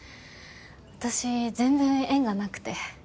私全然縁がなくて。